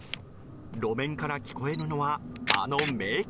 路面から聞こえるのはあの名曲。